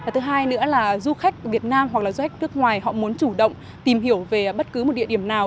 thứ hai nữa là du khách việt nam hoặc là du khách nước ngoài họ muốn chủ động tìm hiểu về bất cứ một địa điểm nào